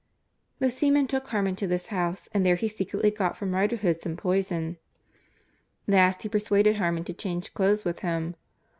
The seaman took Harmon to this house and there he secretly got from Riderhood some poison. Last he persuaded Harmon to change clothes with him.